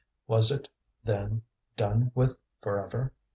Was it, then, done with for ever?